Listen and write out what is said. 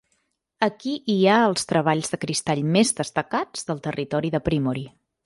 Aquí hi ha els treballs de cristall més destacats del territori de Primórie.